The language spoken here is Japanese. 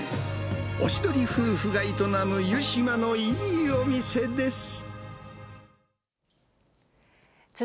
おしどり夫婦が営む湯島のいいお店です。ね。